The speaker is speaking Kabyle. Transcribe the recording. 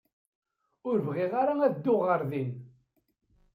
Ur bɣiɣ ara ad dduɣ ɣer din.